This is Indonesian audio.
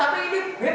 harus diakui ini hebat